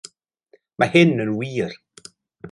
Mae hyn yn wir!